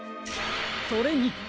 それに！